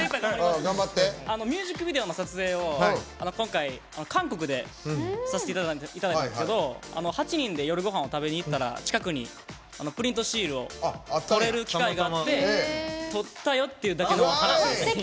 ミュージックビデオの撮影を今回、韓国でさせていただいたんですけど８人で夜ごはんを食べに行ったら近くにプリントシールを撮れる機械があって撮ったよっていうだけの話。